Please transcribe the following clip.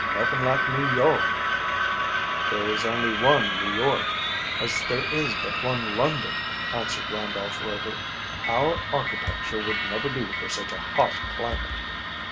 "Nuffin like New York." "There is only one New York, as there is but one London," answered Randolph Rover. "Our architecture would never do for such a hot climate."